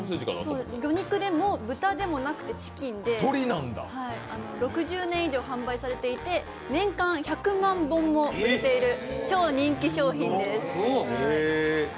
魚肉でも豚でもなくてチキンで６０年以上販売されていて年間１００万本も売れている超人気商品です。